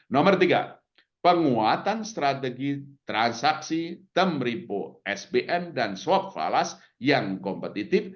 nomor tiga penguatan strategi transaksi temripo sbm dan swab falas yang kompetitif